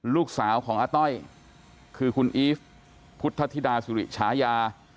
ลูกสาวของอาต้อยคือคุณอีฟพุทธธิดาสุริชายา